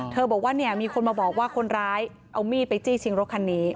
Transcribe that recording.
บอกว่าเนี่ยมีคนมาบอกว่าคนร้ายเอามีดไปจี้ชิงรถคันนี้